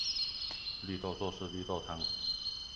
綠豆做事綠豆湯